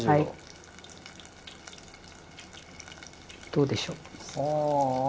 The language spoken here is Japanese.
どうでしょう？